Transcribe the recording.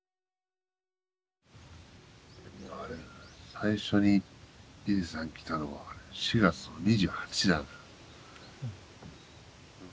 最初に伊勢さん来たのは４月の２８だな。